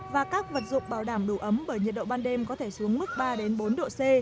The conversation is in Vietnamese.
và các vật dụng bảo đảm đủ ấm bởi nhiệt độ ban đêm có thể xuống mức ba bốn độ c